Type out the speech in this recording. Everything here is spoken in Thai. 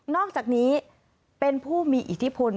อกจากนี้เป็นผู้มีอิทธิพล